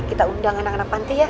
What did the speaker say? kita undang anak anak panti ya